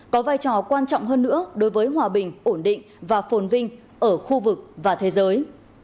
có vai trò quan trọng hơn nữa đối với hòa bình ổn định và phồn vinh ở khu vực và thế giới